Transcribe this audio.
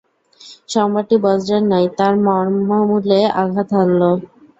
সংবাদটি বজ্রের ন্যায় তার মর্মমূলে আঘাত হানল।